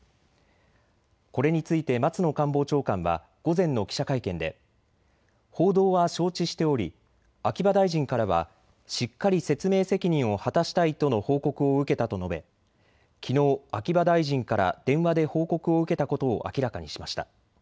これについて松野官房長官は午前の記者会見で報道は承知しており秋葉大臣からは、しっかり説明責任を果たしたいとの報告を受けたと述べ、きのう秋葉大臣から電話で報告を受けたことを明らかにしました。